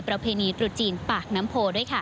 ประเพณีตรุษจีนปากน้ำโพด้วยค่ะ